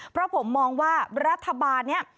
เพราะผมมองว่ารัฐบาลนี้